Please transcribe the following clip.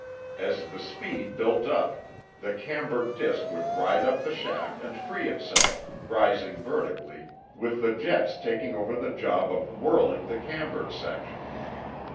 As the speed built up, the cambered disk would ride up the shaft and free itself, rising vertically, with the jets taking over the job of whirling the cambered section.